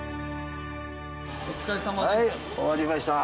お疲れさまです。